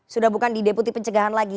sudah bukan di deputi pencegahan lagi